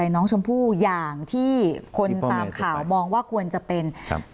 น้องชมพู่อย่างที่คนตามข่าวมองว่าควรจะเป็นครับ